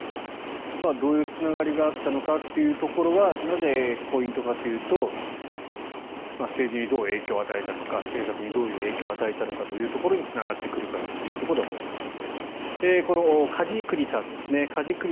どういうつながりがあったのかというところはなぜ、ポイントかというと政治にどう影響を与えたのか政策にどういう影響を与えたのかというところにつながってくるからだということだと思います。